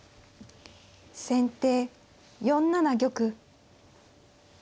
先手４七玉。